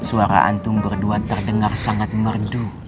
karena antum berdua terdengar sangat merdu